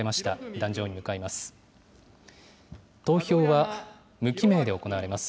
壇上に向かいます。